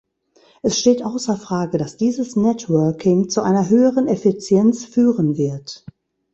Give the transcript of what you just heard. Es steht außer Frage, dass dieses Networking zu einer höheren Effizienz führen wird.